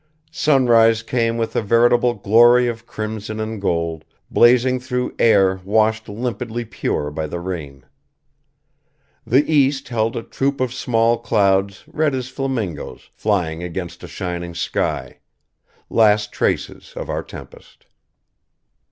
Sunrise came with a veritable glory of crimson and gold, blazing through air washed limpidly pure by the rain. The east held a troop of small clouds red as flamingoes flying against a shining sky; last traces of our tempest.